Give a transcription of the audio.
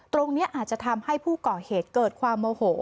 ตรงนี้อาจจะทำให้ผู้ก่อเหตุเกิดความโมโห